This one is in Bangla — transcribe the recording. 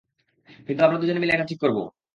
কিন্তু আমরা দুজনে মিলে এটা ঠিক করব।